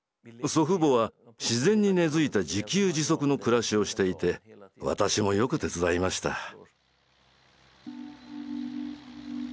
祖父母は自然に根づいた自給自足の暮らしをしていて私もよく手伝いました。